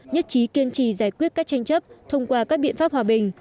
nhất trí kiên trì giải quyết các tranh chấp thông qua các biện pháp hòa bình